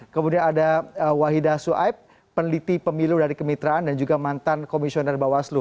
kemudian ada wahida suaib peneliti pemilu dari kemitraan dan juga mantan komisioner bawaslu